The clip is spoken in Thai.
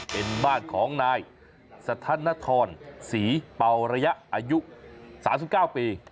เป็นบ้านของนายสธนทรศรีเป่าระยะอายุ๓๙ปี